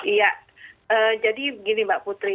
iya jadi begini mbak putri